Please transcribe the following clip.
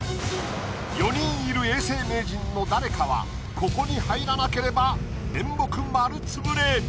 ４人いる永世名人の誰かはここに入らなければ面目丸つぶれ。